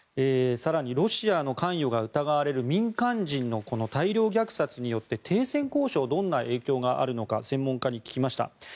更に、ロシアの関与が疑われる民間人の大量虐殺によって停戦交渉にどんな影響があるのか専門家に聞きました。